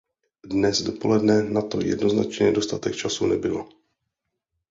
Dnes dopoledne na to jednoznačně dostatek času nebylo.